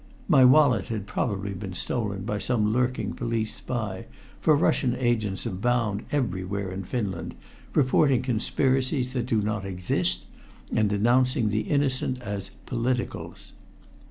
My wallet had probably been stolen by some lurking police spy, for Russian agents abound everywhere in Finland, reporting conspiracies that do not exist and denouncing the innocent as "politicals."